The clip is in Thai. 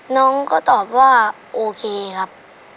น้องก็ตอบว่าโอเคครับ